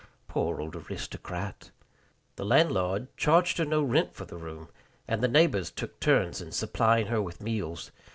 Poor old aristocrat The landlord charged her no rent for the room, and the neighbors took turns in supplying her with meals.